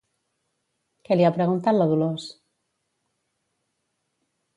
Què li ha preguntat la Dolors?